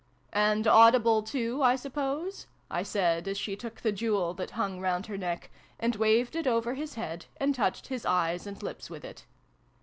"And audible too, I suppose ?" I said, as she took the jewel, that hung round her neck, and waved it over his head, and touched his eyes and lips with it.